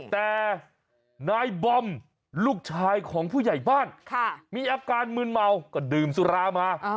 แต่นายบอมลูกชายของผู้ใหญ่บ้านมีอาการมืนเมาก็ดื่มสุรามา